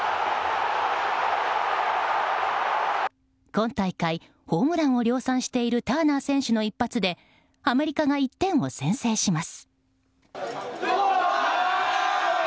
今大会ホームランを量産しているターナー選手の一発でアメリカが１点を先制します。